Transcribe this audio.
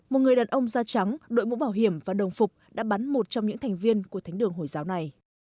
một người đàn ông da trắng đội mũ bảo hiểm và đồng phục đã bắn một trong những thành viên của thánh đường hồi giáo này